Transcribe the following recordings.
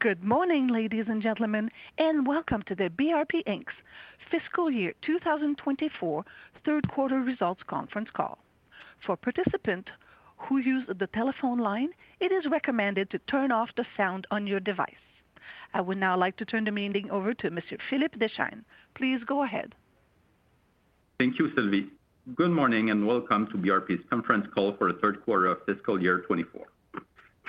Good morning, ladies and gentlemen, and welcome to the BRP Inc.'s fiscal year 2024 third quarter results conference call. For participants who use the telephone line, it is recommended to turn off the sound on your device. I would now like to turn the meeting over to Monsieur Philippe Deschênes. Please go ahead. Thank you, Sylvie. Good morning, and welcome to BRP's conference call for the third quarter of fiscal year 2024.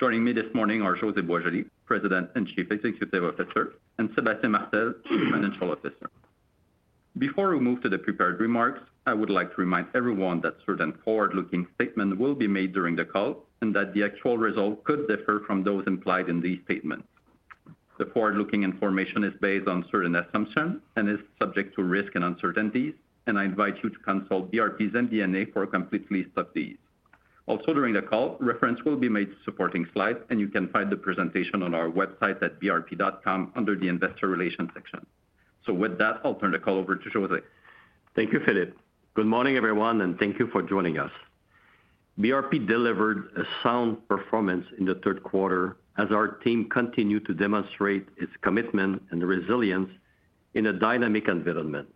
Joining me this morning are José Boisjoli, President and Chief Executive Officer, and Sébastien Martel, Chief Financial Officer. Before we move to the prepared remarks, I would like to remind everyone that certain forward-looking statements will be made during the call, and that the actual results could differ from those implied in these statements. The forward-looking information is based on certain assumptions and is subject to risks and uncertainties, and I invite you to consult BRP's MD&A for a complete list of these. Also, during the call, reference will be made to supporting slides, and you can find the presentation on our website at brp.com under the Investor Relations section. With that, I'll turn the call over to José. Thank you, Philippe. Good morning, everyone, and thank you for joining us. BRP delivered a sound performance in the third quarter as our team continued to demonstrate its commitment and resilience in a dynamic environment.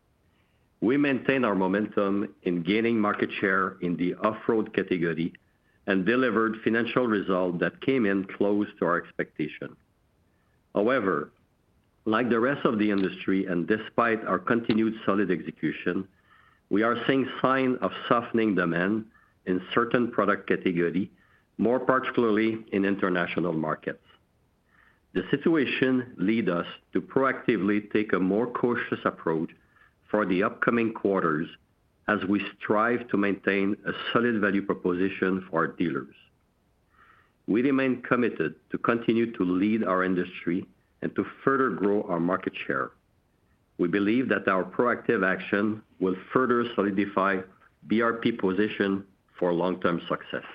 We maintained our momentum in gaining market share in the off-road category and delivered financial results that came in close to our expectation. However, like the rest of the industry and despite our continued solid execution, we are seeing signs of softening demand in certain product category, more particularly in international markets. The situation lead us to proactively take a more cautious approach for the upcoming quarters as we strive to maintain a solid value proposition for our dealers. We remain committed to continue to lead our industry and to further grow our market share. We believe that our proactive action will further solidify BRP position for long-term success.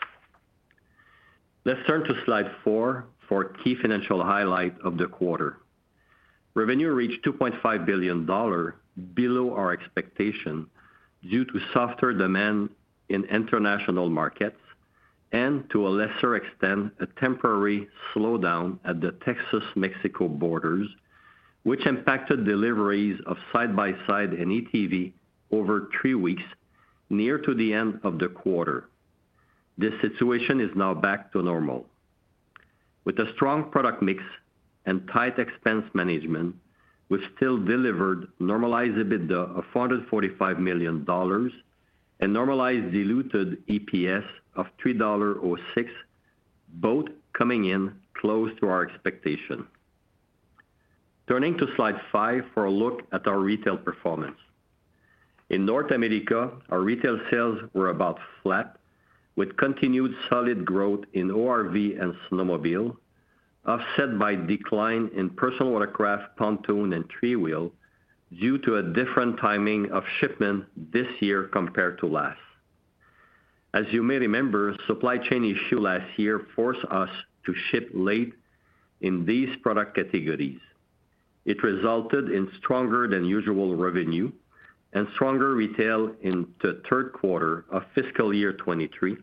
Let's turn to slide four for key financial highlight of the quarter. Revenue reached 2.5 billion dollars, below our expectation, due to softer demand in international markets and, to a lesser extent, a temporary slowdown at the Texas-Mexico border, which impacted deliveries of side-by-side and ATV over three weeks, near to the end of the quarter. This situation is now back to normal. With a strong product mix and tight expense management, we still delivered normalized EBITDA of 445 million dollars and normalized diluted EPS of 3.06 dollar, both coming in close to our expectation. Turning to slide five for a look at our retail performance. In North America, our retail sales were about flat, with continued solid growth in ORV and snowmobile, offset by decline in personal watercraft, pontoon, and three-wheel due to a different timing of shipment this year compared to last. As you may remember, supply chain issue last year forced us to ship late in these product categories. It resulted in stronger than usual revenue and stronger retail in the third quarter of fiscal year 2023,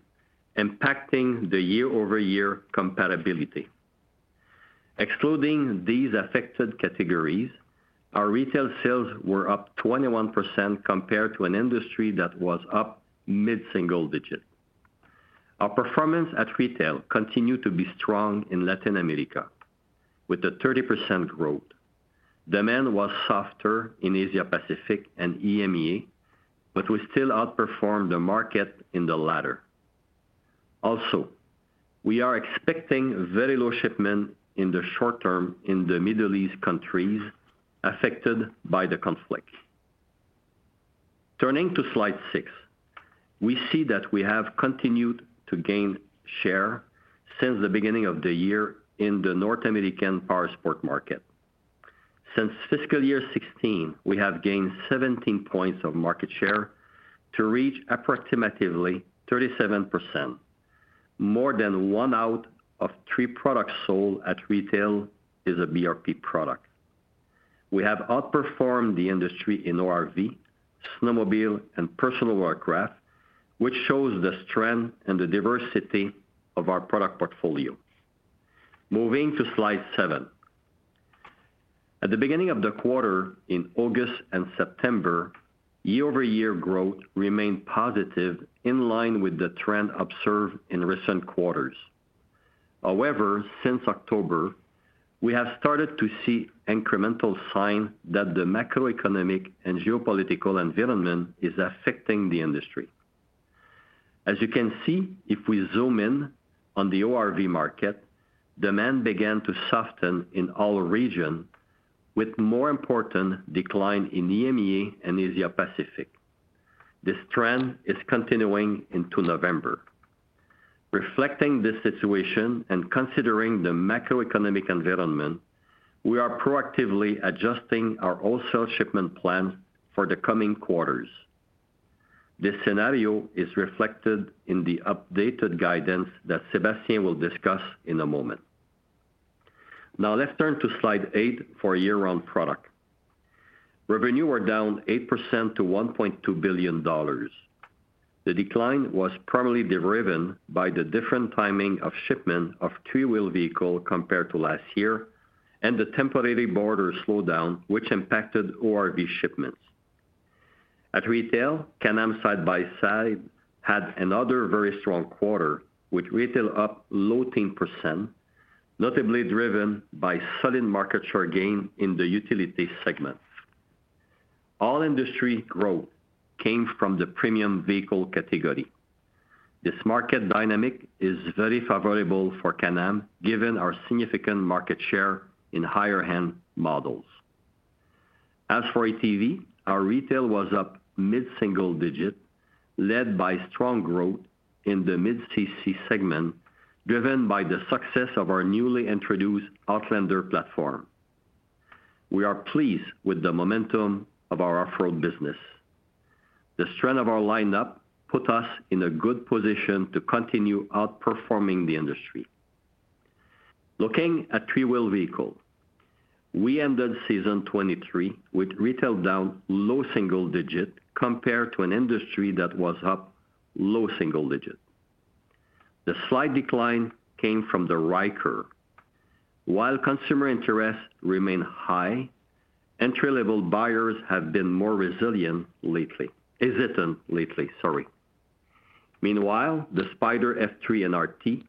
impacting the year-over-year compatibility. Excluding these affected categories, our retail sales were up 21% compared to an industry that was up mid-single digit. Our performance at retail continued to be strong in Latin America, with a 30% growth. Demand was softer in Asia Pacific and EMEA, but we still outperformed the market in the latter. Also, we are expecting very low shipment in the short term in the Middle East countries affected by the conflict. Turning to slide six, we see that we have continued to gain share since the beginning of the year in the North American powersports market. Since fiscal year 2016, we have gained 17 points of market share to reach approximately 37%. More than one out of three products sold at retail is a BRP product. We have outperformed the industry in ORV, snowmobile, and personal watercraft, which shows the strength and the diversity of our product portfolio. Moving to slide seven. At the beginning of the quarter in August and September, year-over-year growth remained positive, in line with the trend observed in recent quarters. However, since October, we have started to see incremental sign that the macroeconomic and geopolitical environment is affecting the industry. As you can see, if we zoom in on the ORV market, demand began to soften in all regions, with more important decline in EMEA and Asia Pacific. This trend is continuing into November. Reflecting this situation and considering the macroeconomic environment, we are proactively adjusting our wholesale shipment plan for the coming quarters. This scenario is reflected in the updated guidance that Sébastien will discuss in a moment. Now, let's turn to slide eight for year-round products. Revenue were down 8% to 1.2 billion dollars. The decline was primarily driven by the different timing of shipment of three-wheel vehicle compared to last year, and the temporary border slowdown, which impacted ORV shipments. At retail, Can-Am Side-by-Side had another very strong quarter, with retail up low-teen %, notably driven by solid market share gain in the utility segments. All industry growth came from the premium vehicle category. This market dynamic is very favorable for Can-Am, given our significant market share in higher-end models. As for ATV, our retail was up mid-single digit, led by strong growth in the mid-CC segment, driven by the success of our newly introduced Outlander platform. We are pleased with the momentum of our off-road business. The strength of our lineup put us in a good position to continue outperforming the industry. Looking at three-wheel vehicle, we ended 2023 with retail down low single digit compared to an industry that was up low single digit. The slight decline came from the Ryker. While consumer interest remained high, entry-level buyers have been more resilient lately—hesitant lately. Sorry. Meanwhile, the Spyder F3 and RT,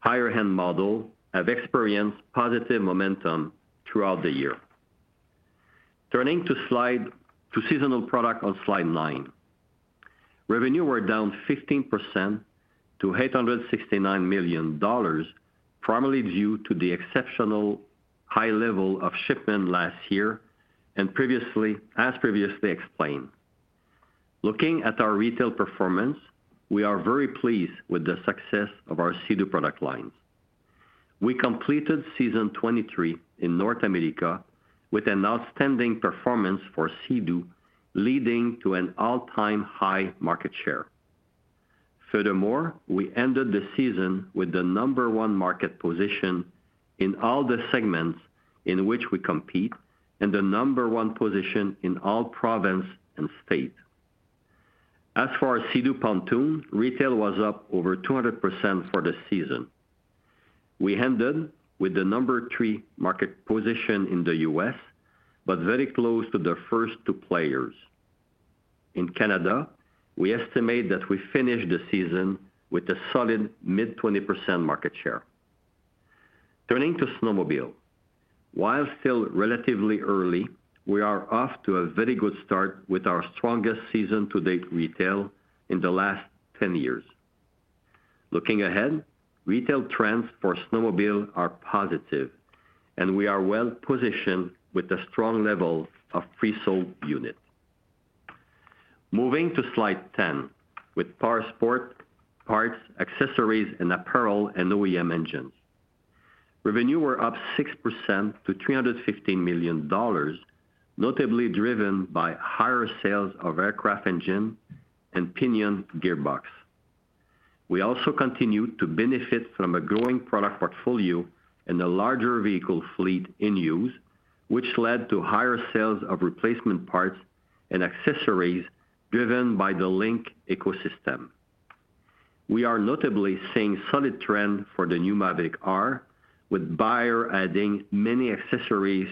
higher-end model, have experienced positive momentum throughout the year. Turning to seasonal product on slide nine. Revenue was down 15% to 869 million dollars, primarily due to the exceptional high level of shipment last year and, as previously explained. Looking at our retail performance, we are very pleased with the success of our Sea-Doo product lines. We completed season 2023 in North America with an outstanding performance for Sea-Doo, leading to an all-time high market share. Furthermore, we ended the season with the number one market position in all the segments in which we compete, and the number one position in all province and state. As for our Sea-Doo Pontoon, retail was up over 200% for the season. We ended with the number three market position in the U.S., but very close to the first two players. In Canada, we estimate that we finished the season with a solid mid-20% market share. Turning to snowmobile. While still relatively early, we are off to a very good start with our strongest season to date retail in the last 10 years. Looking ahead, retail trends for snowmobile are positive, and we are well positioned with a strong level of pre-sold units. Moving to slide 10, with Powersports parts, accessories, and apparel, and OEM engines. Revenue were up 6% to 315 million dollars, notably driven by higher sales of aircraft engine and Pinion gearbox. We also continued to benefit from a growing product portfolio and a larger vehicle fleet in use, which led to higher sales of replacement parts and accessories driven by the LinQ ecosystem. We are notably seeing solid trend for the new Maverick R, with buyer adding many accessories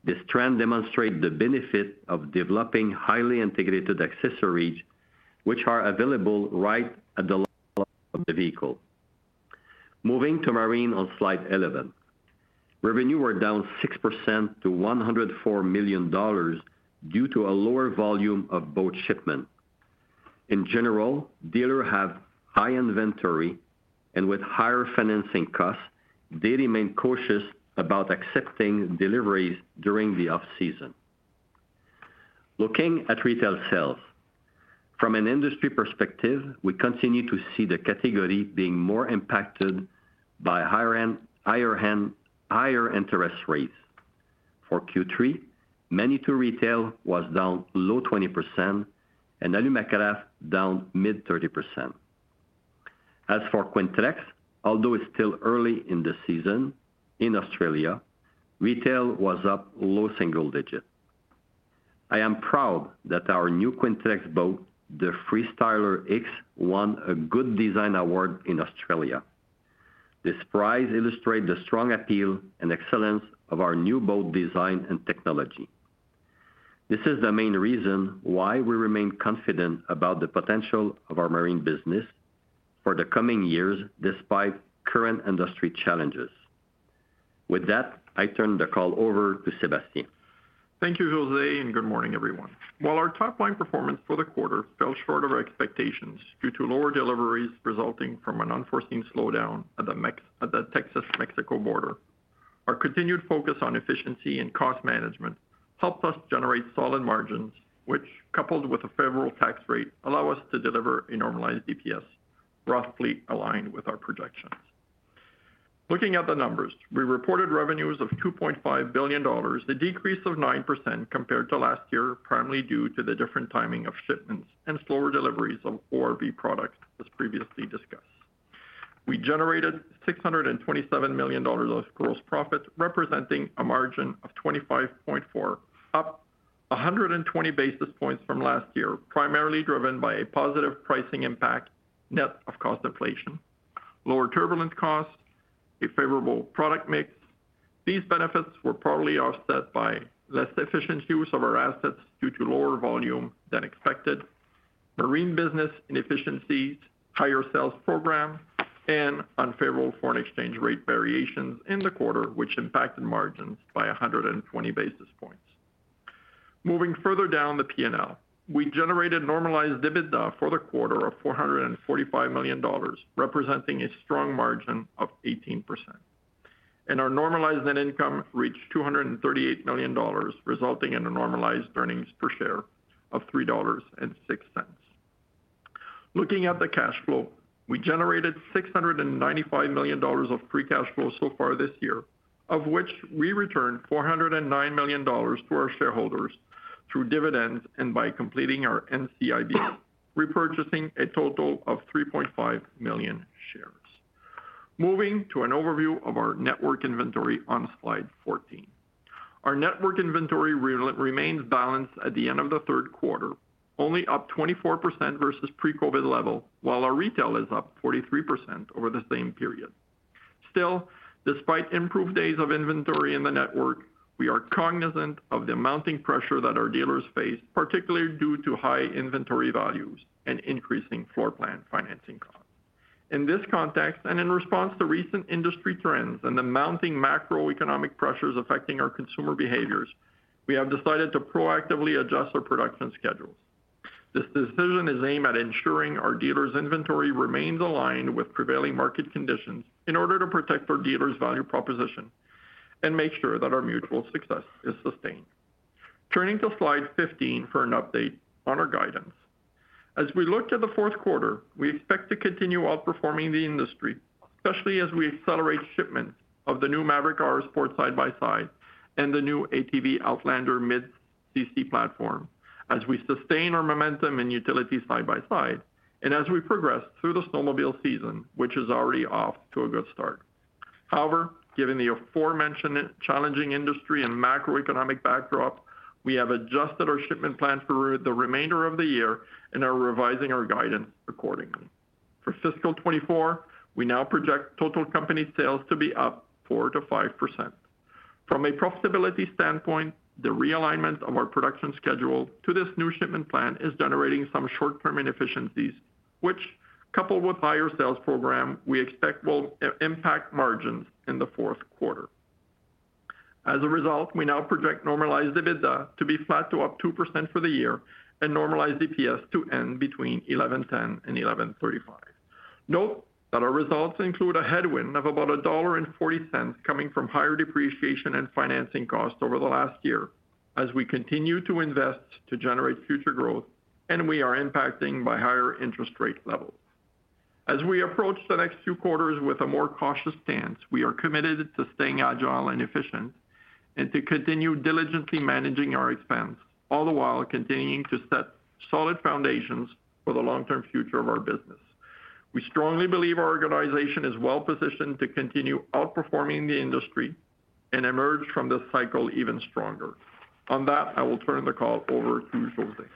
to their. This trend demonstrate the benefit of developing highly integrated accessories, which are available right at the of the vehicle. Moving to Marine on slide 11. Revenue was down 6% to 104 million dollars due to a lower volume of boat shipment. In general, dealers have high inventory, and with higher financing costs, they remain cautious about accepting deliveries during the off-season. Looking at retail sales. From an industry perspective, we continue to see the category being more impacted by higher interest rates. For Q3, Manitou retail was down low 20% and Alumacraft down mid 30%. As for Quintrex, although it's still early in the season in Australia, retail was up low single digit. I am proud that our new Quintrex boat, the Freestyler X, won a Good Design Award in Australia. This prize illustrates the strong appeal and excellence of our new boat design and technology. This is the main reason why we remain confident about the potential of our marine business for the coming years, despite current industry challenges. With that, I turn the call over to Sébastien. Thank you, José, and good morning, everyone. While our top line performance for the quarter fell short of our expectations due to lower deliveries resulting from an unforeseen slowdown at the Texas-Mexico border, our continued focus on efficiency and cost management helped us generate solid margins, which, coupled with a favorable tax rate, allow us to deliver a normalized EPS, roughly aligned with our projections. Looking at the numbers, we reported revenues of 2.5 billion dollars, a decrease of 9% compared to last year, primarily due to the different timing of shipments and slower deliveries of ORV products, as previously discussed. We generated 627 million dollars of gross profit, representing a margin of 25.4%, up 120 basis points from last year, primarily driven by a positive pricing impact net of cost inflation, lower turbulent costs, a favorable product mix. These benefits were partly offset by less efficient use of our assets due to lower volume than expected, marine business inefficiencies, higher sales program, and unfavorable foreign exchange rate variations in the quarter, which impacted margins by 120 basis points. Moving further down the P&L, we generated normalized EBITDA for the quarter of CAD 445 million, representing a strong margin of 18%. Our normalized net income reached 238 million dollars, resulting in a normalized earnings per share of 3.06 dollars. Looking at the cash flow, we generated 695 million dollars of free cash flow so far this year, of which we returned 409 million dollars to our shareholders through dividends and by completing our NCIB, repurchasing a total of 3.5 million shares. Moving to an overview of our network inventory on slide 14. Our network inventory remains balanced at the end of the third quarter, only up 24% versus pre-COVID level, while our retail is up 43% over the same period. Still, despite improved days of inventory in the network, we are cognizant of the mounting pressure that our dealers face, particularly due to high inventory values and increasing floor plan financing costs. In this context, and in response to recent industry trends and the mounting macroeconomic pressures affecting our consumer behaviors, we have decided to proactively adjust our production schedules. This decision is aimed at ensuring our dealers' inventory remains aligned with prevailing market conditions in order to protect our dealers' value proposition and make sure that our mutual success is sustained. Turning to slide 15 for an update on our guidance. As we look to the fourth quarter, we expect to continue outperforming the industry, especially as we accelerate shipments of the new Maverick R Sport Side-by-Side and the new ATV Outlander mid CC platform, as we sustain our momentum in utility side-by-side, and as we progress through the snowmobile season, which is already off to a good start. However, given the aforementioned challenging industry and macroeconomic backdrop, we have adjusted our shipment plan for the remainder of the year and are revising our guidance accordingly. For fiscal 2024, we now project total company sales to be up 4%-5%. From a profitability standpoint, the realignment of our production schedule to this new shipment plan is generating some short-term inefficiencies, which, coupled with higher sales program, we expect will impact margins in the fourth quarter. As a result, we now project normalized EBITDA to be flat to up 2% for the year and normalized EPS to end between 11.10 and 11.35. Note that our results include a headwind of about 1.40 dollar coming from higher depreciation and financing costs over the last year, as we continue to invest to generate future growth, and we are impacted by higher interest rate levels. As we approach the next two quarters with a more cautious stance, we are committed to staying agile and efficient and to continue diligently managing our expenses, all the while continuing to set solid foundations for the long-term future of our business. We strongly believe our organization is well-positioned to continue outperforming the industry and emerge from this cycle even stronger. On that, I will turn the call over to José.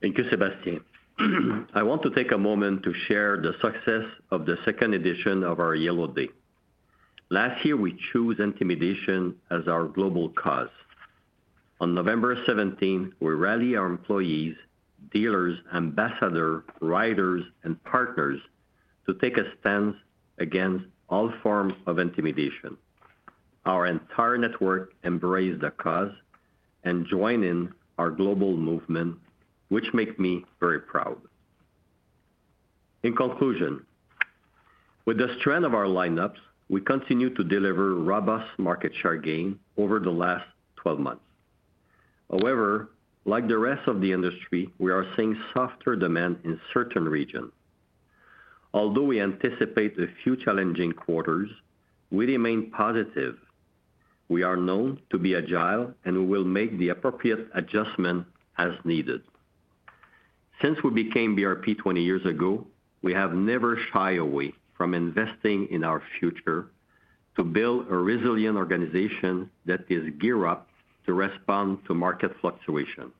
Thank you, Sébastien. I want to take a moment to share the success of the second edition of our Yellow Day. Last year, we chose intimidation as our global cause. On November 17th, we rallied our employees, dealers, ambassador, riders, and partners to take a stance against all forms of intimidation. Our entire network embraced the cause and joined in our global movement, which make me very proud. In conclusion, with the strength of our lineups, we continue to deliver robust market share gain over the last 12 months. However, like the rest of the industry, we are seeing softer demand in certain regions. Although we anticipate a few challenging quarters, we remain positive. We are known to be agile, and we will make the appropriate adjustment as needed. Since we became BRP 20 years ago, we have never shied away from investing in our future to build a resilient organization that is geared up to respond to market fluctuation.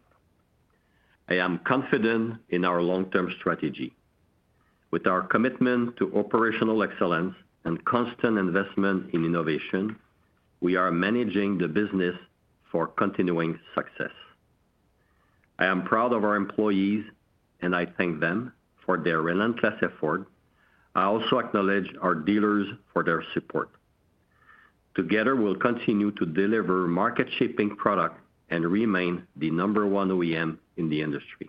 I am confident in our long-term strategy. With our commitment to operational excellence and constant investment in innovation, we are managing the business for continuing success. I am proud of our employees, and I thank them for their relentless effort. I also acknowledge our dealers for their support. Together, we'll continue to deliver market-shaping product and remain the number one OEM in the industry.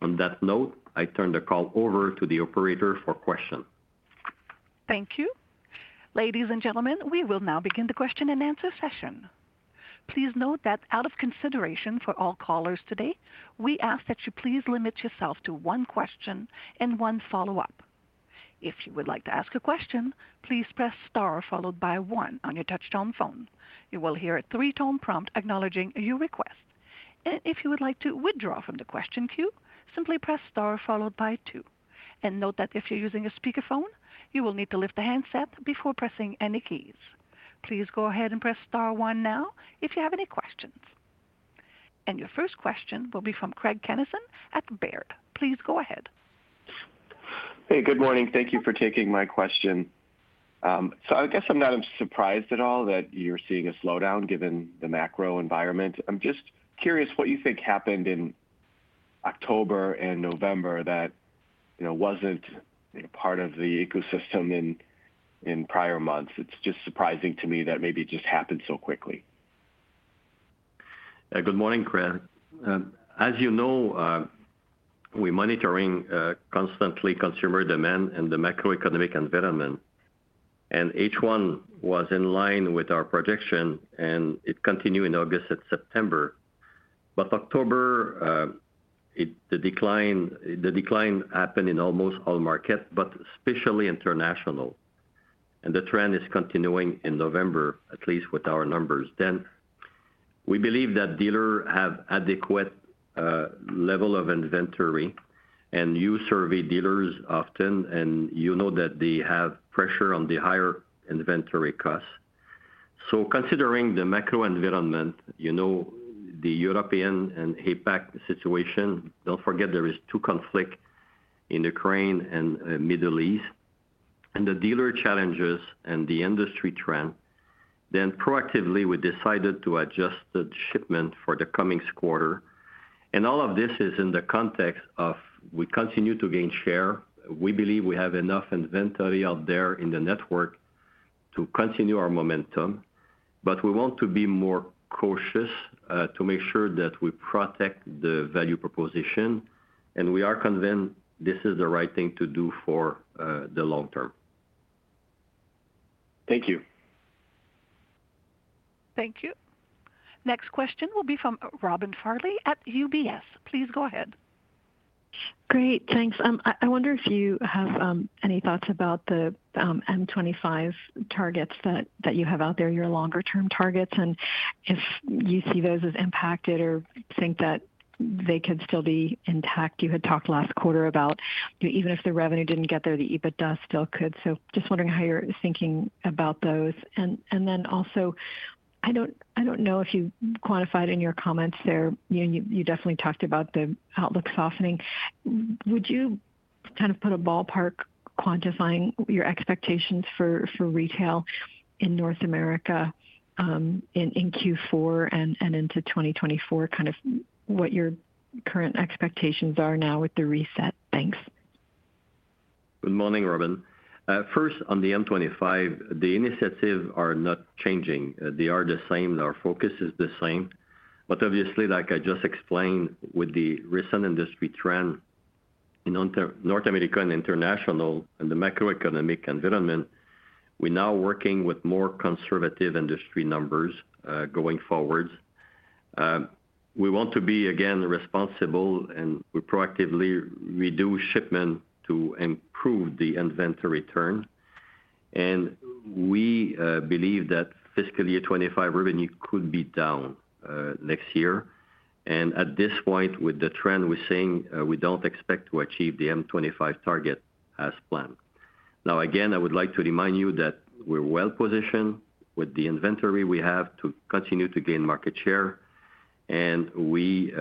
On that note, I turn the call over to the operator for question. Thank you. Ladies and gentlemen, we will now begin the question-and-answer session. Please note that out of consideration for all callers today, we ask that you please limit yourself to one question and one follow-up. If you would like to ask a question, please press star followed by one on your touchtone phone. You will hear a three-tone prompt acknowledging your request. If you would like to withdraw from the question queue, simply press star followed by two. Note that if you're using a speakerphone, you will need to lift the handset before pressing any keys. Please go ahead and press star one now, if you have any questions. Your first question will be from Craig Kennison at Baird. Please go ahead. Hey, good morning. Thank you for taking my question. I guess I'm not surprised at all that you're seeing a slowdown, given the macro environment. I'm just curious what you think happened in October and November that, you know, wasn't part of the ecosystem in prior months. It's just surprising to me that maybe it just happened so quickly. Good morning, Craig. As you know, we're monitoring constantly consumer demand and the macroeconomic environment, and H1 was in line with our projection, and it continued in August and September. But October, the decline happened in almost all markets, but especially international. And the trend is continuing in November, at least with our numbers. Then, we believe that dealers have adequate level of inventory, and you survey dealers often, and you know that they have pressure on the higher inventory costs. So considering the macro environment, you know, the European and APAC situation, don't forget there are two conflicts in Ukraine and the Middle East, and the dealer challenges and the industry trend, then proactively, we decided to adjust the shipments for the coming quarter. And all of this is in the context of we continue to gain share. We believe we have enough inventory out there in the network to continue our momentum, but we want to be more cautious to make sure that we protect the value proposition, and we are convinced this is the right thing to do for the long term. Thank you. Thank you. Next question will be from Robin Farley at UBS. Please go ahead. Great, thanks. I wonder if you have any thoughts about the M25 targets that you have out there, your longer term targets, and if you see those as impacted or think that they could still be intact. You had talked last quarter about, even if the revenue didn't get there, the EBITDA still could. So just wondering how you're thinking about those. And then also, I don't know if you quantified in your comments there, you definitely talked about the outlook softening. Would you kind of put a ballpark quantifying your expectations for retail in North America, in Q4 and into 2024? Kind of what your current expectations are now with the reset. Thanks. Good morning, Robin. First, on the M25, the initiatives are not changing. They are the same. Our focus is the same. But obviously, like I just explained, with the recent industry trend in North America and international and the macroeconomic environment, we're now working with more conservative industry numbers going forward. We want to be, again, responsible, and we proactively reduce shipment to improve the inventory turn. And we believe that fiscal year 2025 revenue could be down next year. And at this point, with the trend we're seeing, we don't expect to achieve the M25 target as planned. Now, again, I would like to remind you that we're well positioned with the inventory we have to continue to gain market share, and we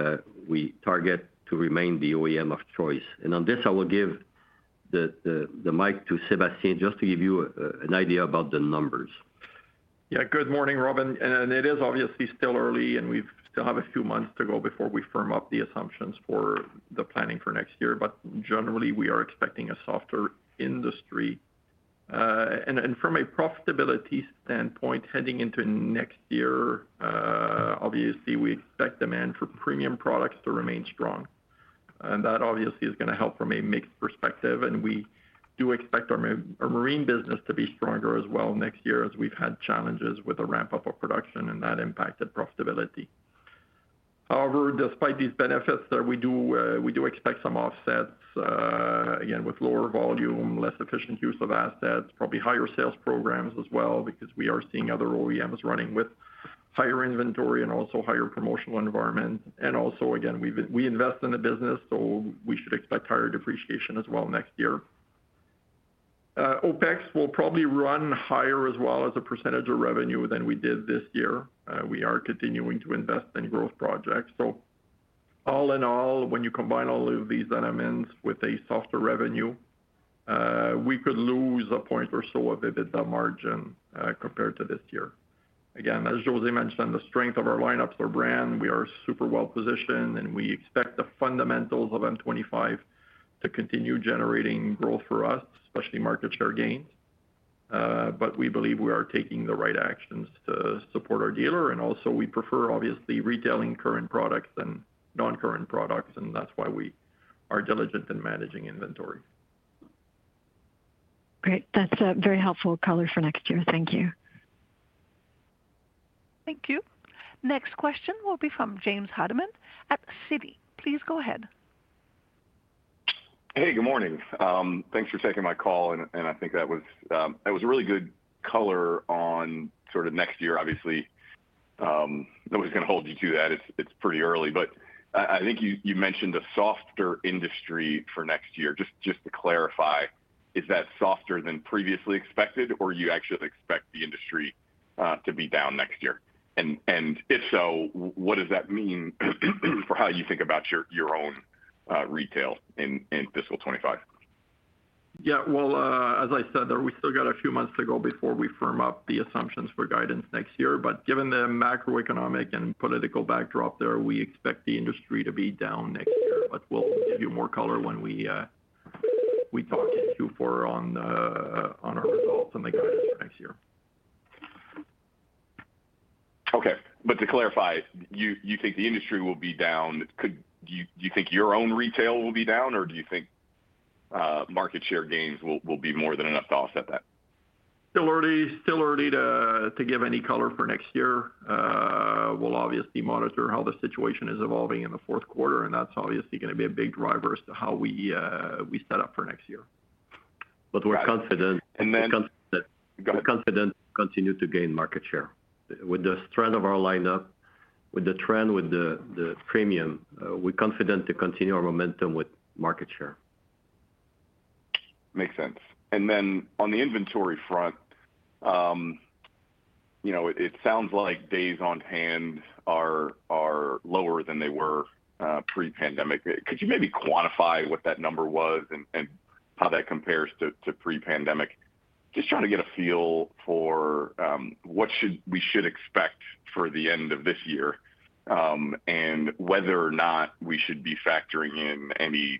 target to remain the OEM of choice. On this, I will give the mic to Sébastien, just to give you an idea about the numbers. Yeah, good morning, Robin. It is obviously still early, and we still have a few months to go before we firm up the assumptions for the planning for next year, but generally, we are expecting a softer industry. From a profitability standpoint, heading into next year, obviously, we expect demand for premium products to remain strong. And that obviously is gonna help from a mix perspective, and we do expect our marine business to be stronger as well next year, as we've had challenges with the ramp-up of production, and that impacted profitability. However, despite these benefits, we do expect some offsets, again, with lower volume, less efficient use of assets, probably higher sales programs as well, because we are seeing other OEMs running with higher inventory and also higher promotional environment. Also, again, we invest in the business, so we should expect higher depreciation as well next year. OpEx will probably run higher as well as a percentage of revenue than we did this year. We are continuing to invest in growth projects. So all in all, when you combine all of these elements with a softer revenue, we could lose a point or so of EBITDA margin, compared to this year. Again, as José mentioned, the strength of our lineups, our brand, we are super well positioned, and we expect the fundamentals of M25 to continue generating growth for us, especially market share gains. But we believe we are taking the right actions to support our dealer, and also we prefer, obviously, retailing current products than non-current products, and that's why we are diligent in managing inventory. Great. That's a very helpful color for next year. Thank you. Thank you. Next question will be from James Hardiman at Citi. Please go ahead. ... Hey, good morning. Thanks for taking my call, and I think that was a really good color on sort of next year. Obviously, nobody's gonna hold you to that. It's pretty early. But I think you mentioned a softer industry for next year. Just to clarify, is that softer than previously expected, or you actually expect the industry to be down next year? And if so, what does that mean for how you think about your own retail in fiscal 2025? Yeah, well, as I said there, we still got a few months to go before we firm up the assumptions for guidance next year. But given the macroeconomic and political backdrop there, we expect the industry to be down next year. But we'll give you more color when we, we talk to you for on the, on our results on the guidance next year. Okay, but to clarify, you, you think the industry will be down. Could you- do you think your own retail will be down, or do you think, market share gains will, will be more than enough to offset that? Still early, still early to, to give any color for next year. We'll obviously monitor how the situation is evolving in the fourth quarter, and that's obviously gonna be a big driver as to how we, we set up for next year. But we're confident- And then- We're confident- Go ahead... confident to continue to gain market share. With the strength of our lineup, with the trend with the, the premium, we're confident to continue our momentum with market share. Makes sense. And then on the inventory front, you know, it sounds like days on hand are lower than they were pre-pandemic. Could you maybe quantify what that number was and how that compares to pre-pandemic? Just trying to get a feel for what we should expect for the end of this year and whether or not we should be factoring in any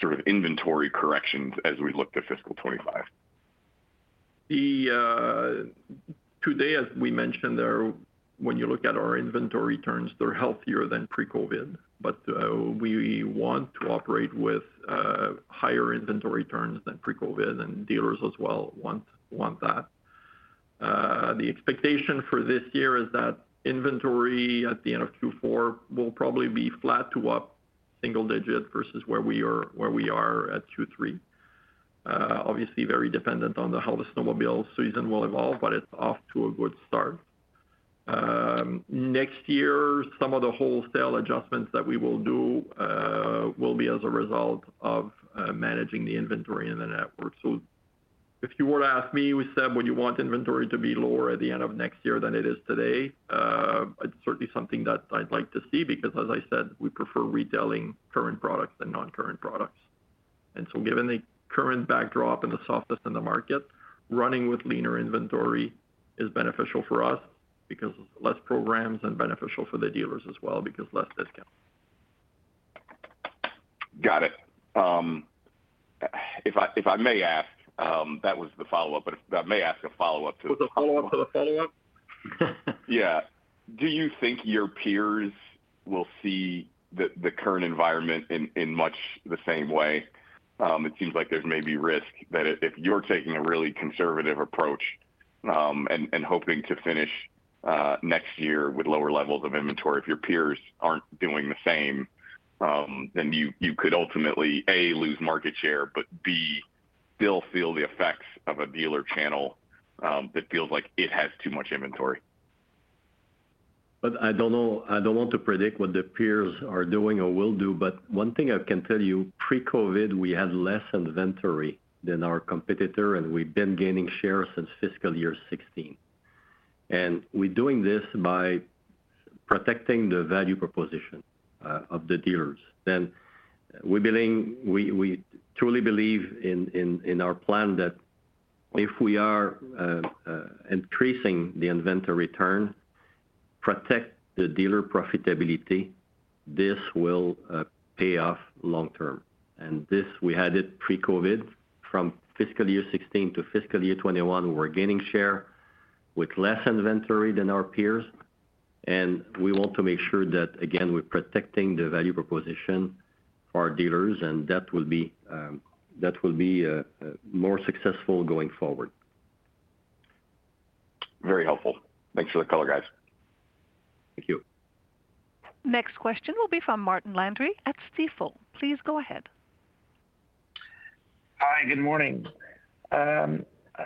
sort of inventory corrections as we look to fiscal 2025. Today, as we mentioned there, when you look at our inventory turns, they're healthier than pre-COVID, but we want to operate with higher inventory turns than pre-COVID, and dealers as well want that. The expectation for this year is that inventory at the end of Q4 will probably be flat to up single digit versus where we are at Q3. Obviously, very dependent on how the snowmobile season will evolve, but it's off to a good start. Next year, some of the wholesale adjustments that we will do will be as a result of managing the inventory in the network. If you were to ask me, we said, "Would you want inventory to be lower at the end of next year than it is today?" It's certainly something that I'd like to see, because as I said, we prefer retailing current products than non-current products. And so given the current backdrop and the softness in the market, running with leaner inventory is beneficial for us because less programs, and beneficial for the dealers as well, because less discount. Got it. If I may ask, that was the follow-up, but if I may ask a follow-up to- With a follow-up to the follow-up? Yeah. Do you think your peers will see the current environment in much the same way? It seems like there's maybe risk, that if you're taking a really conservative approach, and hoping to finish next year with lower levels of inventory, if your peers aren't doing the same, then you could ultimately, A, lose market share, but B, still feel the effects of a dealer channel that feels like it has too much inventory. But I don't know... I don't want to predict what the peers are doing or will do, but one thing I can tell you, pre-COVID, we had less inventory than our competitor, and we've been gaining share since fiscal year 2016. And we're doing this by protecting the value proposition of the dealers. Then we believe we truly believe in our plan that if we are increasing the inventory return, protect the dealer profitability, this will pay off long term. And this, we had it pre-COVID from fiscal year 2016 to fiscal year 2021, we were gaining share with less inventory than our peers, and we want to make sure that, again, we're protecting the value proposition for our dealers, and that will be more successful going forward. Very helpful. Thanks for the color, guys. Thank you. Next question will be from Martin Landry at Stifel. Please go ahead. Hi, good morning.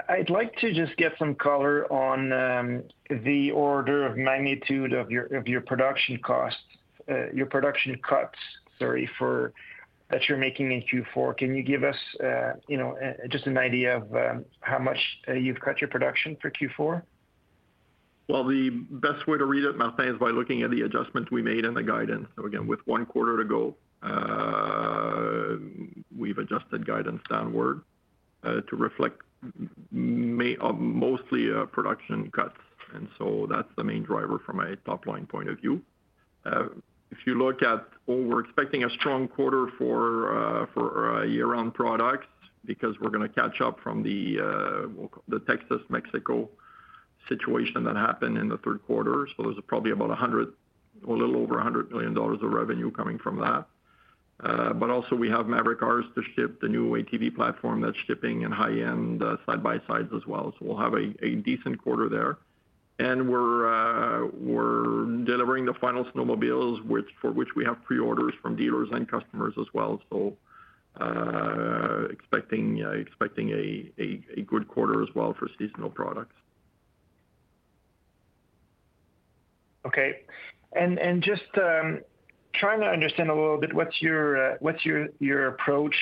I'd like to just get some color on the order of magnitude of your, of your production costs, your production cuts, sorry, for-- that you're making in Q4. Can you give us, you know, just an idea of how much you've cut your production for Q4? Well, the best way to read it, Martin, is by looking at the adjustments we made in the guidance. So again, with one quarter to go, we've adjusted guidance downward to reflect mostly production cuts, and so that's the main driver from a top-line point of view. If you look at. Well, we're expecting a strong quarter for year-round products because we're gonna catch up from the Texas-Mexico situation that happened in the third quarter. So there's probably about $100 million, or a little over $100 million of revenue coming from that. But also we have Maverick R's to ship, the new ATV platform that's shipping, and high-end side-by-sides as well. So we'll have a decent quarter there. We're delivering the final snowmobiles for which we have pre-orders from dealers and customers as well. So, expecting a good quarter as well for seasonal products. Okay. And just trying to understand a little bit, what's your approach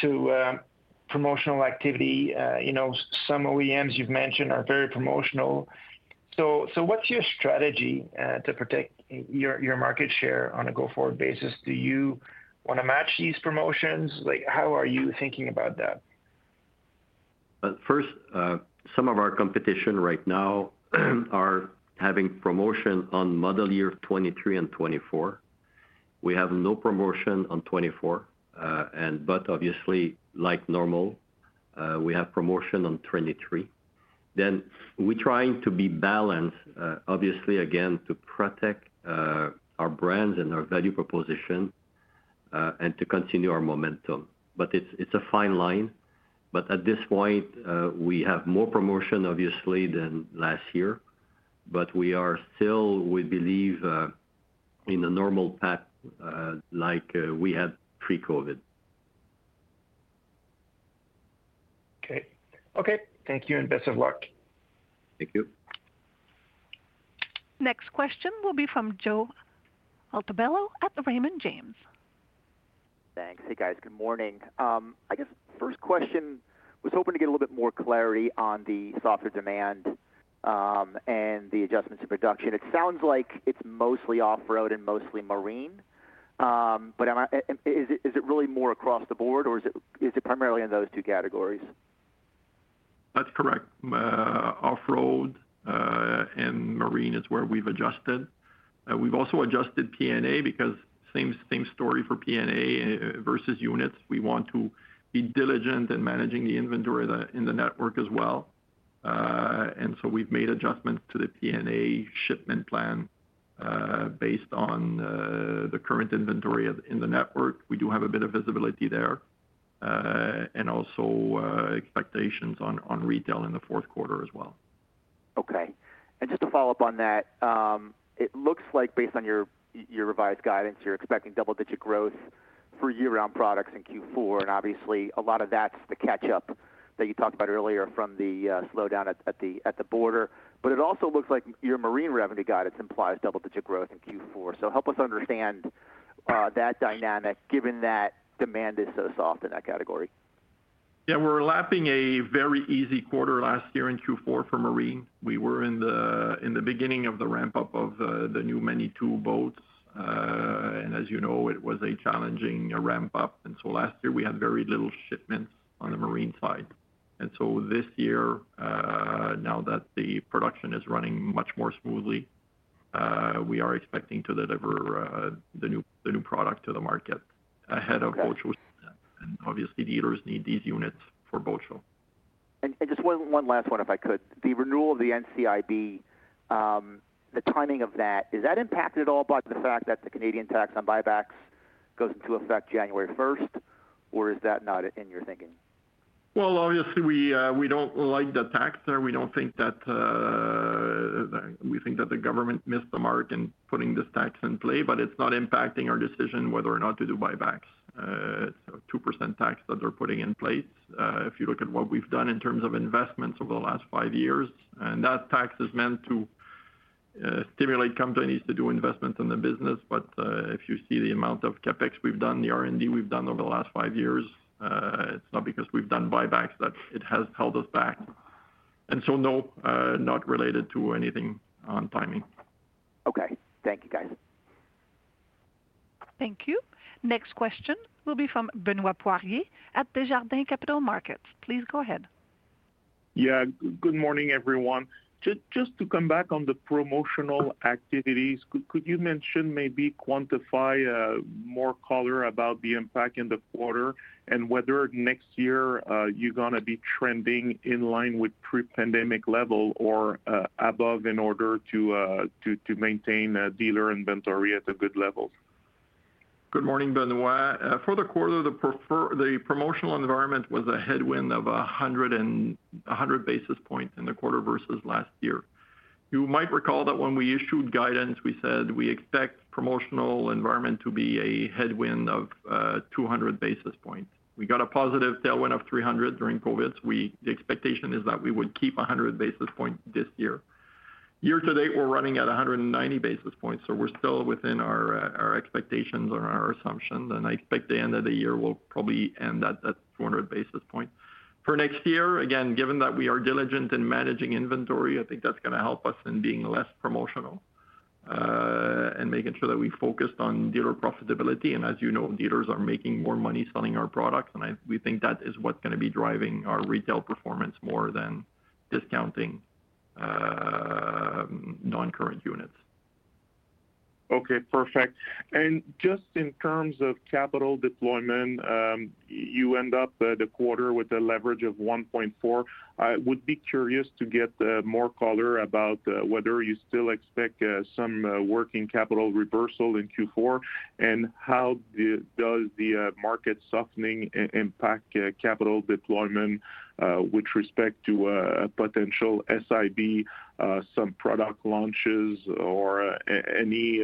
to promotional activity? You know, some OEMs you've mentioned are very promotional. So what's your strategy to protect your market share on a go-forward basis? Do you wanna match these promotions? Like, how are you thinking about that? First, some of our competition right now are having promotion on model year 2023 and 2024. We have no promotion on 2024, and but obviously, like normal, we have promotion on 2023. Then we're trying to be balanced, obviously, again, to protect our brands and our value proposition, and to continue our momentum. But it's a fine line. But at this point, we have more promotion obviously than last year, but we are still, we believe, in a normal path, like we had pre-COVID. Okay. Okay, thank you, and best of luck. Thank you. Next question will be from Joe Altobello at the Raymond James. Thanks. Hey, guys, good morning. I guess first question, was hoping to get a little bit more clarity on the softer demand, and the adjustments in production. It sounds like it's mostly off-road and mostly marine, but am I, is it, is it really more across the board, or is it, is it primarily in those two categories? That's correct. Off-road and marine is where we've adjusted. We've also adjusted P&A because same, same story for P&A versus units. We want to be diligent in managing the inventory in the network as well. And so we've made adjustments to the P&A shipment plan based on the current inventory in the network. We do have a bit of visibility there and also expectations on retail in the fourth quarter as well. Okay. And just to follow up on that, it looks like based on your, your revised guidance, you're expecting double-digit growth for year-round products in Q4. And obviously, a lot of that's the catch-up that you talked about earlier from the slowdown at the border. But it also looks like your marine revenue guidance implies double-digit growth in Q4. So help us understand that dynamic, given that demand is so soft in that category? Yeah, we're lapping a very easy quarter last year in Q4 for marine. We were in the beginning of the ramp-up of the new Manitou boats. As you know, it was a challenging ramp-up, and so last year we had very little shipments on the marine side. So this year, now that the production is running much more smoothly, we are expecting to deliver the new, the new product to the market ahead of Boat Show. Okay. Obviously, dealers need these units for Boat Show. Just one last one, if I could. The renewal of the NCIB, the timing of that, is that impacted at all by the fact that the Canadian tax on buybacks goes into effect January 1st, or is that not in your thinking? Well, obviously, we don't like the tax there. We don't think that. We think that the government missed the mark in putting this tax in play, but it's not impacting our decision whether or not to do buybacks. So 2% tax that they're putting in place, if you look at what we've done in terms of investments over the last five years, and that tax is meant to stimulate companies to do investments in the business. But, if you see the amount of CapEx we've done, the R&D we've done over the last five years, it's not because we've done buybacks, that it has held us back. And so, no, not related to anything on timing. Okay. Thank you, guys. Thank you. Next question will be from Benoit Poirier at Desjardins Capital Markets. Please go ahead. Yeah, good morning, everyone. Just to come back on the promotional activities, could you mention, maybe quantify, more color about the impact in the quarter? Whether next year, you're gonna be trending in line with pre-pandemic level or above in order to maintain dealer inventory at a good level? Good morning, Benoit. For the quarter, the promotional environment was a headwind of 100 basis points in the quarter versus last year. You might recall that when we issued guidance, we said we expect promotional environment to be a headwind of 200 basis points. We got a positive tailwind of 300 during COVID. The expectation is that we would keep 100 basis points this year. Year to date, we're running at 190 basis points, so we're still within our expectations or our assumptions, and I expect the end of the year will probably end at 200 basis points. For next year, again, given that we are diligent in managing inventory, I think that's gonna help us in being less promotional and making sure that we focused on dealer profitability. As you know, dealers are making more money selling our products, and we think that is what's gonna be driving our retail performance more than discounting non-current units. Okay, perfect. And just in terms of capital deployment, you end up the quarter with a leverage of 1.4. I would be curious to get more color about whether you still expect some working capital reversal in Q4, and how does the market softening impact capital deployment with respect to a potential NCIB, some product launches or any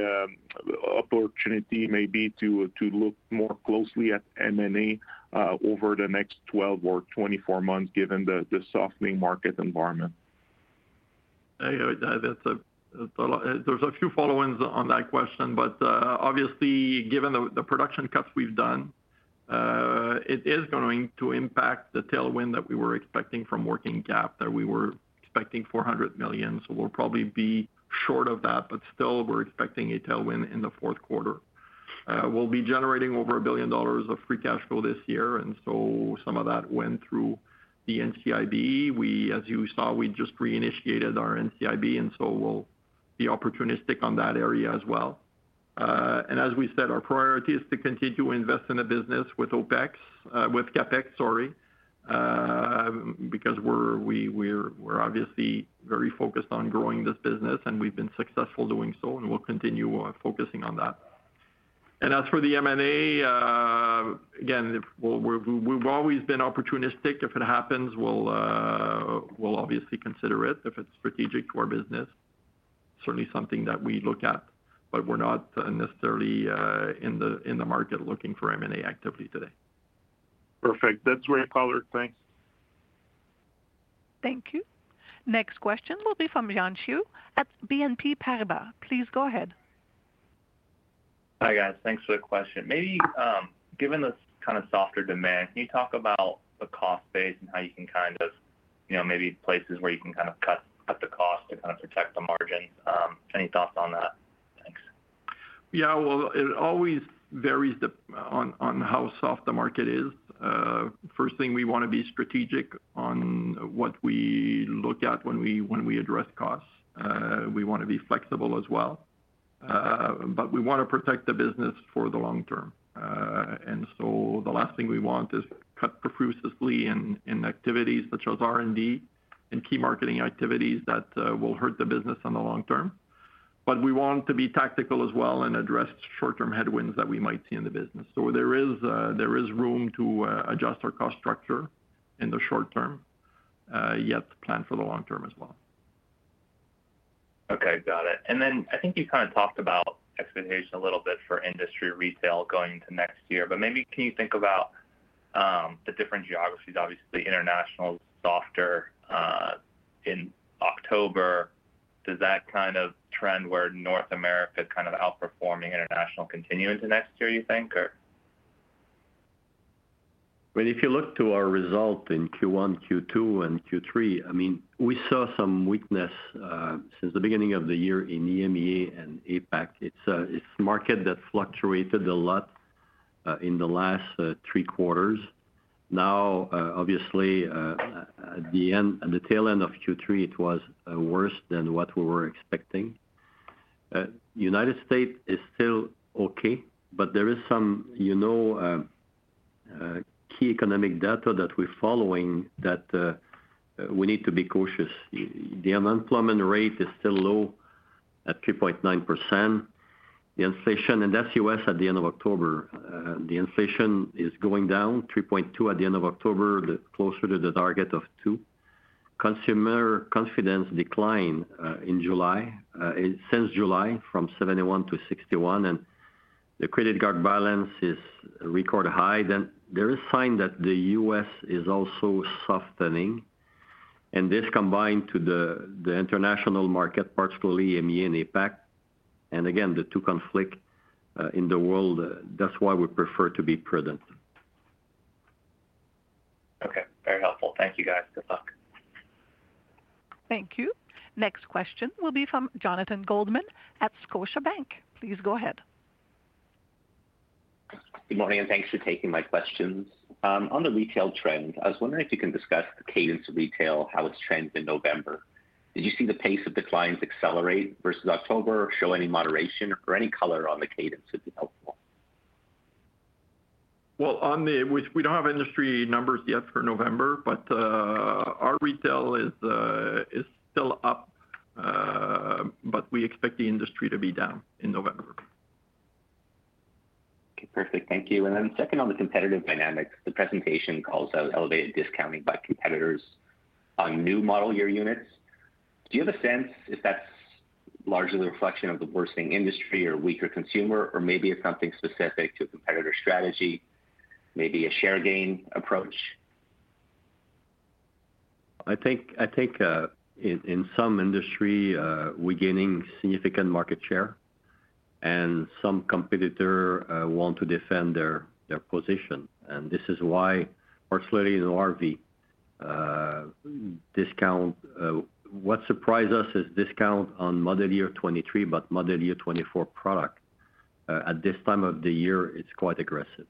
opportunity maybe to look more closely at M&A over the next 12 or 24 months, given the softening market environment?... Hey, that's a lot. There's a few follow-ups on that question, but obviously, given the production cuts we've done, it is going to impact the tailwind that we were expecting from working capital, that we were expecting 400 million. So we'll probably be short of that, but still, we're expecting a tailwind in the fourth quarter. We'll be generating over 1 billion dollars of free cash flow this year, and so some of that went through the NCIB. As you saw, we just reinitiated our NCIB, and so we'll be opportunistic on that area as well. And as we said, our priority is to continue to invest in the business with OpEx, with CapEx, sorry, because we're obviously very focused on growing this business, and we've been successful doing so, and we'll continue focusing on that. And as for the M&A, again, we've always been opportunistic. If it happens, we'll obviously consider it. If it's strategic to our business, certainly something that we look at, but we're not necessarily in the market looking for M&A activity today. Perfect. That's great color. Thanks. Thank you. Next question will be from Xian Siew at BNP Paribas. Please go ahead. Hi, guys. Thanks for the question. Maybe, given the kind of softer demand, can you talk about the cost base and how you can kind of, you know, maybe places where you can kind of cut the cost to kind of protect the margin? Any thoughts on that? Thanks. Yeah, well, it always varies depending on how soft the market is. First thing, we wanna be strategic on what we look at when we address costs. We wanna be flexible as well, but we wanna protect the business for the long term. And so the last thing we want is to cut profusely in activities such as R&D and key marketing activities that will hurt the business in the long term. But we want to be tactical as well and address short-term headwinds that we might see in the business. So there is room to adjust our cost structure in the short term, yet plan for the long term as well. Okay, got it. And then I think you kind of talked about expectation a little bit for industry retail going into next year, but maybe can you think about, the different geographies, obviously, international, softer, in October? Does that kind of trend where North America is kind of outperforming international continue into next year, you think, or? Well, if you look to our results in Q1, Q2, and Q3, I mean, we saw some weakness since the beginning of the year in EMEA and APAC. It's a market that fluctuated a lot in the last three quarters. Now, obviously, at the end, at the tail end of Q3, it was worse than what we were expecting. United States is still okay, but there is some, you know, key economic data that we're following that we need to be cautious. The unemployment rate is still low at 3.9%. The inflation, and that's U.S. at the end of October, the inflation is going down, 3.2 at the end of October, the closer to the target of 2. Consumer confidence declined in July since July from 71 to 61, and the credit card balance is record high. Then there is sign that the U.S. is also softening, and this combined to the, the international market, particularly EMEA and APAC, and again, the two conflict in the world. That's why we prefer to be prudent. Okay, very helpful. Thank you, guys. Good luck. Thank you. Next question will be from Jonathan Goldman at Scotiabank. Please go ahead. Good morning, and thanks for taking my questions. On the retail trend, I was wondering if you can discuss the cadence of retail, how it's trended in November. Did you see the pace of declines accelerate versus October, or show any moderation, or any color on the cadence would be helpful? Well, we don't have industry numbers yet for November, but our retail is still up, but we expect the industry to be down in November. Okay, perfect. Thank you. And then second, on the competitive dynamics, the presentation calls out elevated discounting by competitors on new model year units. Do you have a sense if that's largely a reflection of the worsening industry or weaker consumer, or maybe it's something specific to a competitor's strategy, maybe a share gain approach? I think in some industry we're gaining significant market share, and some competitor want to defend their position. And this is why, particularly in the RV discount, what surprised us is discount on model year 2023, but model year 2024 product. At this time of the year, it's quite aggressive.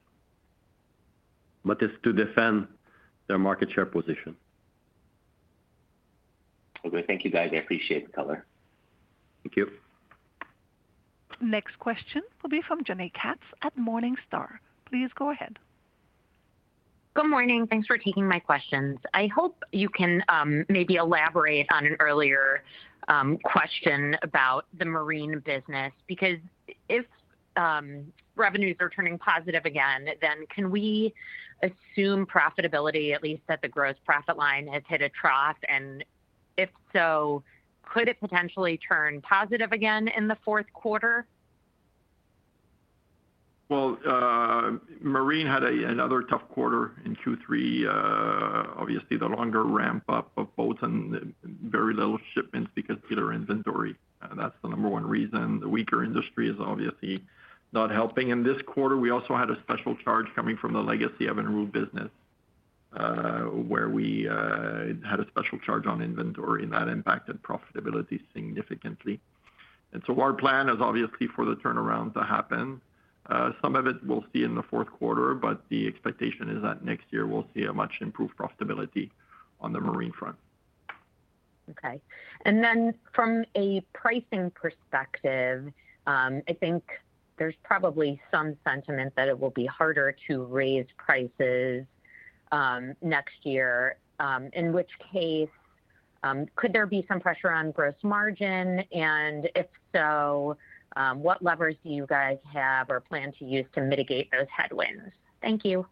But it's to defend their market share position. Okay, thank you, guys. I appreciate the color. Thank you. Next question will be from Jaime Katz at Morningstar. Please go ahead. Good morning. Thanks for taking my questions. I hope you can maybe elaborate on an earlier question about the marine business, because if revenues are turning positive again, then can we assume profitability, at least that the gross profit line, has hit a trough? And if so, could it potentially turn positive again in the fourth quarter? ... Well, Marine had another tough quarter in Q3. Obviously, the longer ramp-up of boats and very little shipments because dealer inventory, that's the number one reason. The weaker industry is obviously not helping. In this quarter, we also had a special charge coming from the legacy Evinrude business, where we had a special charge on inventory, and that impacted profitability significantly. So our plan is obviously for the turnaround to happen. Some of it we'll see in the fourth quarter, but the expectation is that next year we'll see a much improved profitability on the marine front. Okay. Then from a pricing perspective, I think there's probably some sentiment that it will be harder to raise prices, in which case, could there be some pressure on gross margin? And if so, what levers do you guys have or plan to use to mitigate those headwinds? Thank you.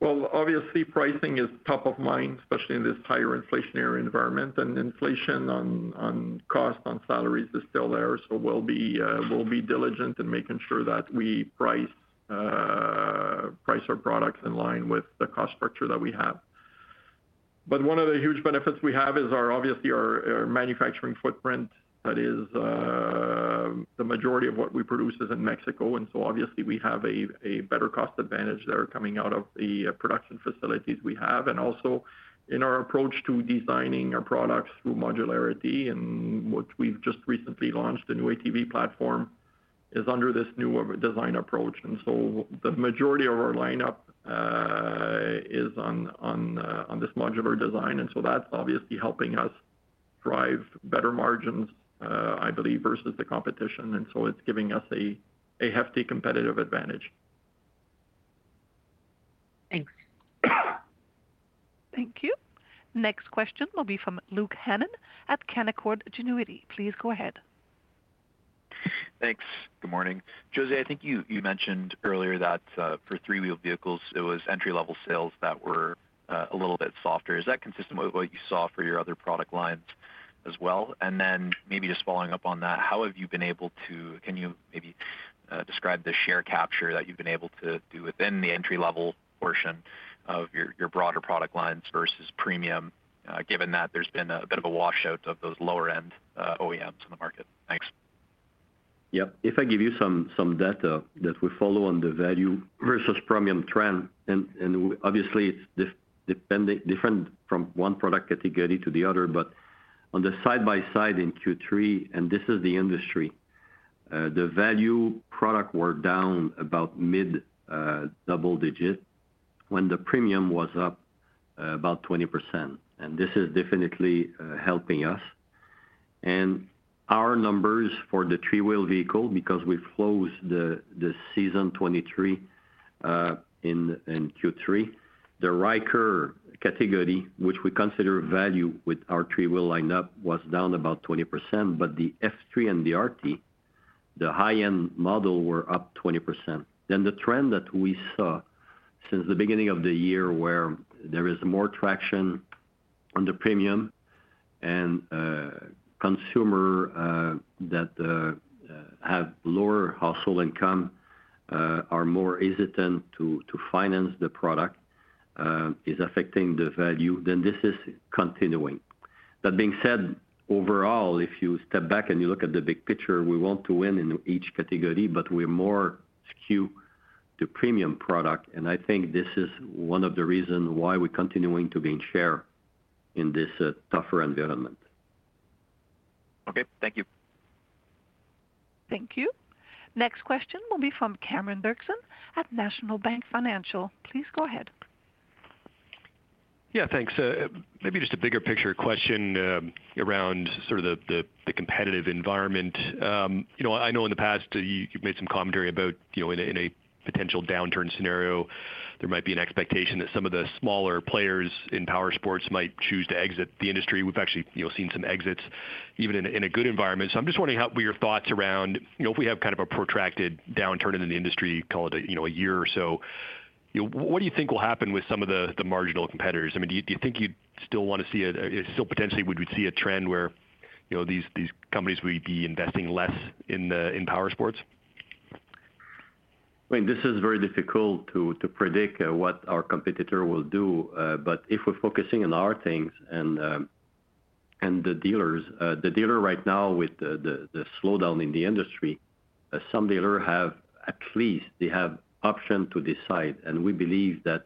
Well, obviously, pricing is top of mind, especially in this higher inflationary environment, and inflation on costs, on salaries is still there. So we'll be diligent in making sure that we price our products in line with the cost structure that we have. But one of the huge benefits we have is our, obviously, our manufacturing footprint. That is, the majority of what we produce is in Mexico, and so obviously we have a better cost advantage there coming out of the production facilities we have. And also in our approach to designing our products through modularity and what we've just recently launched, the new ATV platform, is under this new design approach. And so the majority of our lineup is on this modular design, and so that's obviously helping us drive better margins, I believe, versus the competition. And so it's giving us a hefty competitive advantage. Thanks. Thank you. Next question will be from Luke Hannan at Canaccord Genuity. Please go ahead. Thanks. Good morning. José, I think you, you mentioned earlier that for three-wheeled vehicles, it was entry-level sales that were a little bit softer. Is that consistent with what you saw for your other product lines as well? And then maybe just following up on that, how have you been able to... Can you maybe describe the share capture that you've been able to do within the entry-level portion of your, your broader product lines versus premium, given that there's been a bit of a wash out of those lower end OEMs in the market? Thanks. Yep. If I give you some data that we follow on the value versus premium trend, and obviously it's depending, different from one product category to the other. But on the side-by-side in Q3, and this is the industry, the value product were down about mid double digit, when the premium was up about 20%. And this is definitely helping us. And our numbers for the three-wheel vehicle, because we closed the season 2023 in Q3, the Ryker category, which we consider value with our three-wheel lineup, was down about 20%, but the F3 and the RT, the high-end model, were up 20%. Then the trend that we saw since the beginning of the year, where there is more traction on the premium and consumer that have lower household income are more hesitant to finance the product, is affecting the value, then this is continuing. That being said, overall, if you step back and you look at the big picture, we want to win in each category, but we're more skewed to premium product, and I think this is one of the reasons why we're continuing to gain share in this tougher environment. Okay, thank you. Thank you. Next question will be from Cameron Doerksen at National Bank Financial. Please go ahead. Yeah, thanks. Maybe just a bigger picture question around sort of the competitive environment. You know, I know in the past you've made some commentary about, you know, in a potential downturn scenario, there might be an expectation that some of the smaller players in powersports might choose to exit the industry. We've actually, you know, seen some exits even in a good environment. So I'm just wondering your thoughts around, you know, if we have kind of a protracted downturn in the industry, call it a year or so, you know, what do you think will happen with some of the marginal competitors? I mean, do you think you'd still want to see a... Still potentially would we see a trend where, you know, these, these companies will be investing less in the, in powersports? I mean, this is very difficult to predict what our competitor will do, but if we're focusing on our things and the dealers, the dealer right now with the slowdown in the industry, some dealer have, at least they have option to decide. And we believe that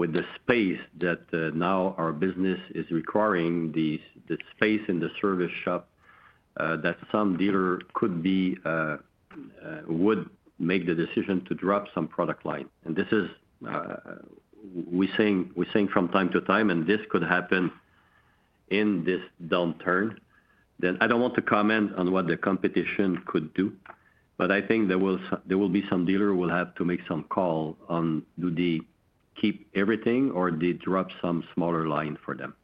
with the space that now our business is requiring the space in the service shop that some dealer could be would make the decision to drop some product line. And this is, we're seeing from time to time, and this could happen in this downturn. Then I don't want to comment on what the competition could do, but I think there will be some dealer will have to make some call on, do they keep everything or they drop some smaller line for them?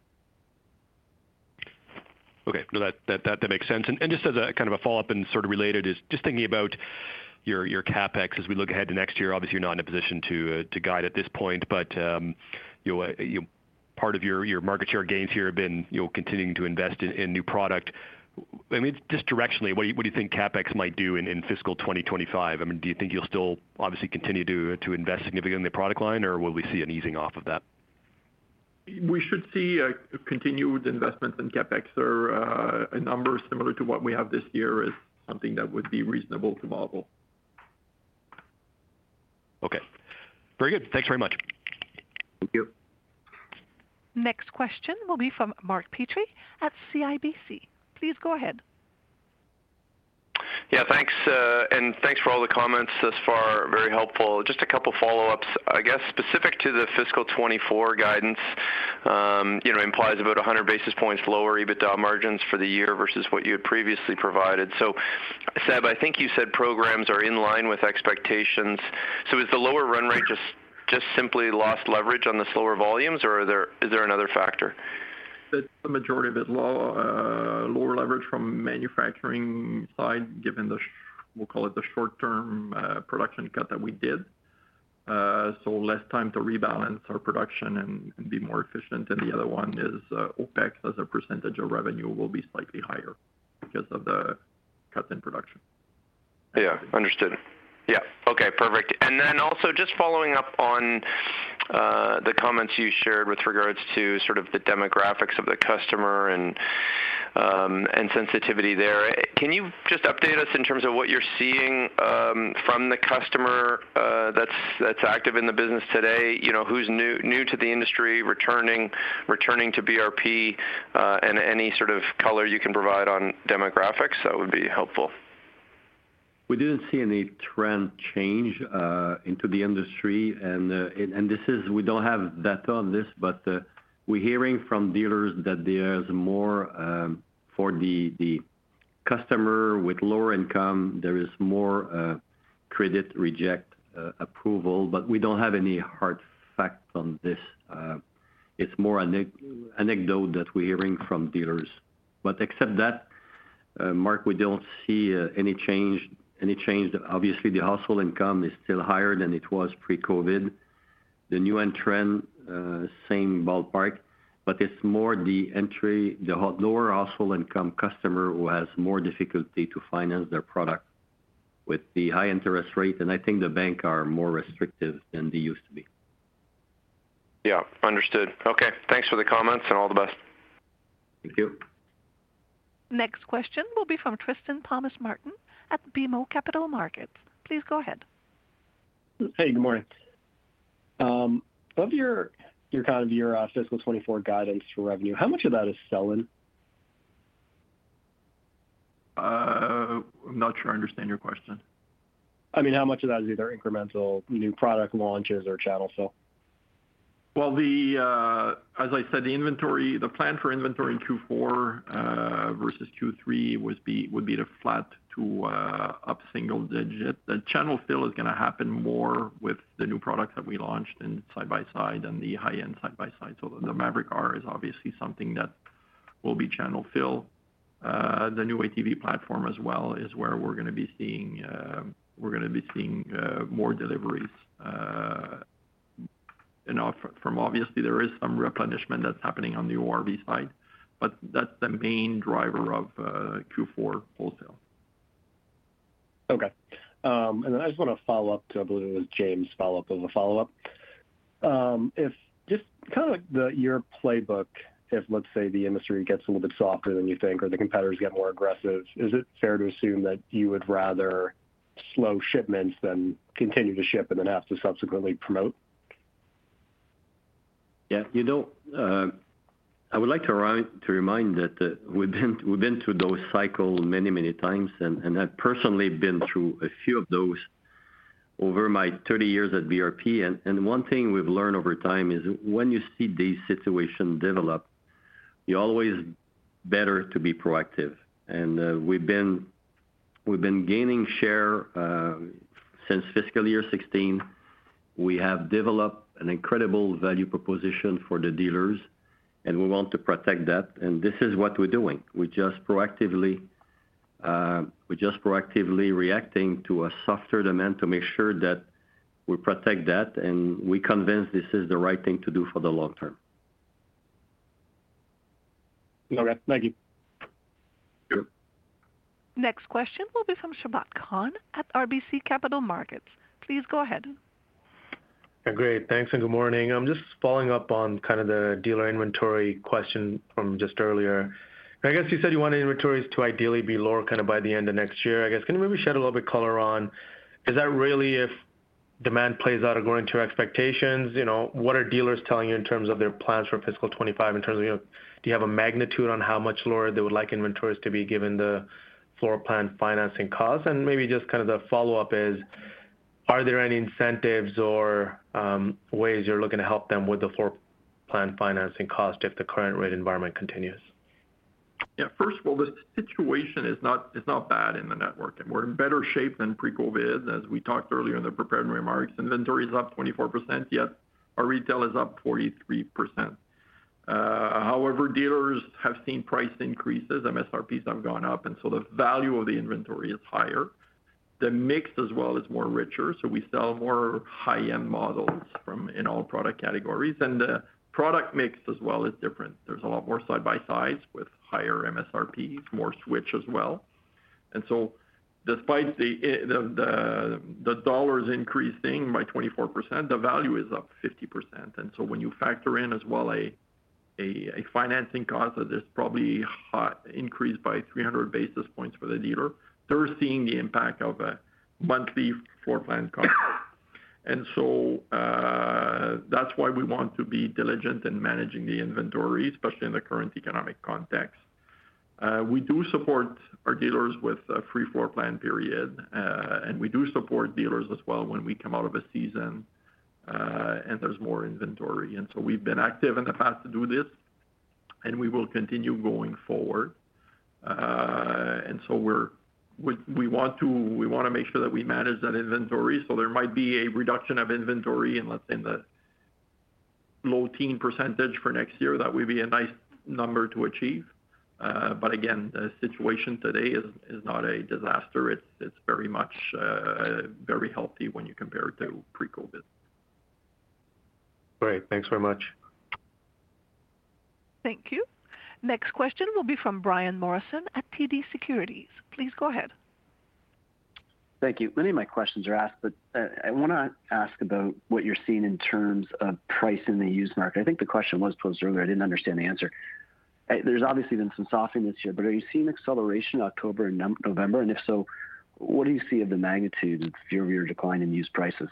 Okay, no, that makes sense. And just as a kind of a follow-up and sort of related is just thinking about your CapEx as we look ahead to next year. Obviously, you're not in a position to guide at this point, but part of your market share gains here have been, you know, continuing to invest in new product. I mean, just directionally, what do you think CapEx might do in fiscal 2025? I mean, do you think you'll still obviously continue to invest significantly in the product line, or will we see an easing off of that? We should see a continued investments in CapEx or a number similar to what we have this year is something that would be reasonable to model. Okay. Very good. Thanks very much. Thank you. Next question will be from Mark Petrie at CIBC. Please go ahead. Yeah, thanks, and thanks for all the comments thus far. Very helpful. Just a couple follow-ups. I guess, specific to the fiscal 2024 guidance, you know, implies about 100 basis points lower EBITDA margins for the year versus what you had previously provided. So Seb, I think you said programs are in line with expectations. So is the lower run rate just, just simply lost leverage on the slower volumes, or are there- is there another factor? The majority of it lower leverage from manufacturing side, given the, we'll call it the short-term production cut that we did. So less time to rebalance our production and be more efficient. And the other one is, OpEx, as a percentage of revenue, will be slightly higher because of the cuts in production. Yeah. Understood. Yeah. Okay, perfect. And then also just following up on the comments you shared with regards to sort of the demographics of the customer and sensitivity there. Can you just update us in terms of what you're seeing from the customer that's active in the business today? You know, who's new to the industry, returning to BRP, and any sort of color you can provide on demographics, that would be helpful. We didn't see any trend change into the industry. We don't have data on this, but we're hearing from dealers that there's more for the customer with lower income, there is more credit reject approval, but we don't have any hard facts on this. It's more anecdote that we're hearing from dealers. But except that, Mark, we don't see any change, any change. Obviously, the household income is still higher than it was pre-COVID. The new entrant same ballpark, but it's more the entry, the lower household income customer who has more difficulty to finance their product with the high interest rate, and I think the bank are more restrictive than they used to be. Yeah. Understood. Okay, thanks for the comments, and all the best. Thank you. Next question will be from Tristan Thomas-Martin at BMO Capital Markets. Please go ahead. Hey, good morning. Of your kind of fiscal 2024 guidance to revenue, how much of that is selling? I'm not sure I understand your question. I mean, how much of that is either incremental, new product launches or channel fill? Well, as I said, the inventory, the plan for inventory in Q4 versus Q3 would be, would be flat to up single digit. The channel fill is gonna happen more with the new products that we launched in side-by-side and the high-end side-by-side. So the Maverick R is obviously something that will be channel fill. The new ATV platform as well is where we're gonna be seeing, we're gonna be seeing more deliveries. You know, from obviously, there is some replenishment that's happening on the ORV side, but that's the main driver of Q4 wholesale. Okay. And I just wanna follow up to, I believe it was James' follow-up as a follow-up. If just kind of like the, your playbook, if, let's say, the industry gets a little bit softer than you think or the competitors get more aggressive, is it fair to assume that you would rather slow shipments than continue to ship and then have to subsequently promote? Yeah, you know, I would like to remind that we've been through those cycles many, many times, and I've personally been through a few of those over my 30 years at BRP. One thing we've learned over time is when you see these situations develop, you're always better to be proactive. We've been gaining share since fiscal year 2016. We have developed an incredible value proposition for the dealers, and we want to protect that, and this is what we're doing. We're just proactively reacting to a softer demand to make sure that we protect that, and we're convinced this is the right thing to do for the long term. All right. Thank you. Sure. Next question will be from Sabahat Khan at RBC Capital Markets. Please go ahead. Great. Thanks, and good morning. I'm just following up on kind of the dealer inventory question from just earlier. I guess you said you wanted inventories to ideally be lower kind of by the end of next year. I guess, can you maybe shed a little bit color on, is that really if demand plays out according to expectations? You know, what are dealers telling you in terms of their plans for fiscal 2025, in terms of, do you have a magnitude on how much lower they would like inventories to be given the floor plan financing costs? And maybe just kind of the follow-up is, are there any incentives or ways you're looking to help them with the floor plan financing cost if the current rate environment continues? Yeah. First of all, the situation is not, is not bad in the network, and we're in better shape than pre-COVID, as we talked earlier in the prepared remarks. Inventory is up 24%, yet our retail is up 43%. However, dealers have seen price increases, MSRPs have gone up, and so the value of the inventory is higher. The mix as well is more richer, so we sell more high-end models from, in all product categories, and the product mix as well is different. There's a lot more side-by-sides with higher MSRP, more switch as well. And so despite the, the dollar is increasing by 24%, the value is up 50%. When you factor in as well a financing cost that is probably high, increased by 300 basis points for the dealer, they're seeing the impact of a monthly floor plan cost. That's why we want to be diligent in managing the inventory, especially in the current economic context. We do support our dealers with a free floor plan period, and we do support dealers as well when we come out of a season, and there's more inventory. We've been active in the past to do this, and we will continue going forward. We wanna make sure that we manage that inventory. So there might be a reduction of inventory in, let's say, the low teens % for next year. That would be a nice number to achieve. But again, the situation today is not a disaster. It's very much, very healthy when you compare it to pre-COVID. Great. Thanks very much. Thank you. Next question will be from Brian Morrison at TD Securities. Please go ahead. Thank you. Many of my questions are asked, but, I wanna ask about what you're seeing in terms of price in the used market. I think the question was posed earlier. I didn't understand the answer. There's obviously been some softening this year, but are you seeing acceleration October and November? And if so, what do you see of the magnitude and year-over-year decline in used prices?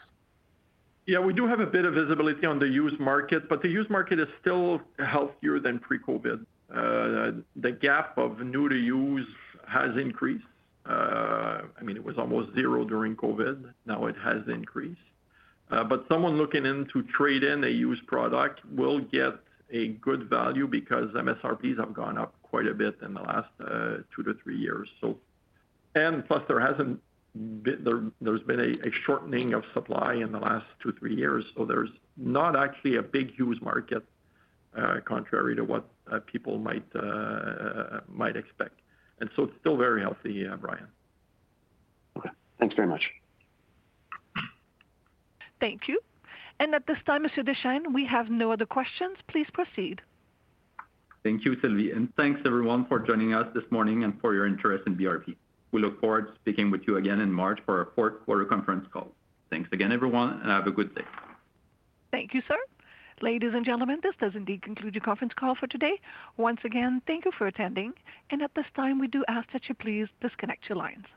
Yeah, we do have a bit of visibility on the used market, but the used market is still healthier than pre-COVID. The gap of new to used has increased. I mean, it was almost zero during COVID. Now it has increased. But someone looking in to trade in a used product will get a good value because MSRPs have gone up quite a bit in the last two to three years. So... And plus, there hasn't been, there, there's been a shortening of supply in the last two to three years, so there's not actually a big used market, contrary to what people might expect. And so it's still very healthy, Brian. Okay. Thanks very much. Thank you. At this time, Monsieur Deschênes, we have no other questions. Please prooceed. Thank you, Sylvie, and thanks, everyone, for joining us this morning and for your interest in BRP. We look forward to speaking with you again in March for our fourth quarter conference call. Thanks again, everyone, and have a good day. Thank you, sir. Ladies and gentlemen, this does indeed conclude your conference call for today. Once again, thank you for attending, and at this time, we do ask that you please disconnect your lines.